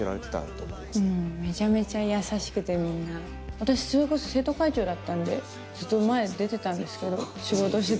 私それこそ生徒会長だったんでずっと前出てたんですけど仕事してても。